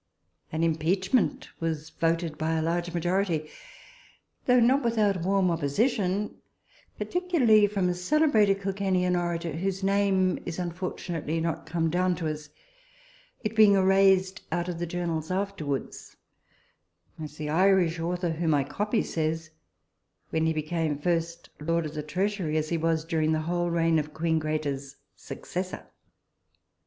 An impeachment was voted by a large majority, though not without warm opposition, particularly from a celebrated Kilkennian orator, whose name is unfortunately not come down to us, it being erased out of the journals afterwards, as the Irish author whom I copy says, when he became first lord of the treasury, as he was during the whole reign of queen Grata's successor.